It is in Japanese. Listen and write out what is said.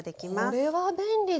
これは便利ですね。